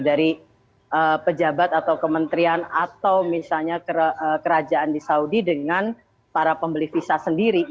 dari pejabat atau kementerian atau misalnya kerajaan di saudi dengan para pembeli visa sendiri